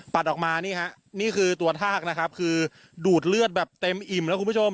ออกมานี่ฮะนี่คือตัวทากนะครับคือดูดเลือดแบบเต็มอิ่มแล้วคุณผู้ชม